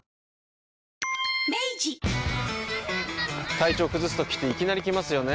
体調崩すときっていきなり来ますよね。